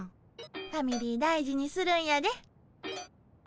ファミリー大事にするんやで。